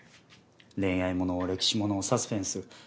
恋愛もの歴史ものサスペンス